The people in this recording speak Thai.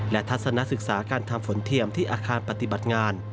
และทัศนศึกษาการทำฝนเทียมที่อาคารปฏิบัติงาน